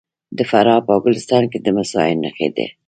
د فراه په ګلستان کې د مسو نښې شته.